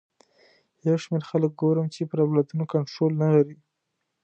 یو شمېر خلک ګورم چې پر اولادونو کنټرول نه لري.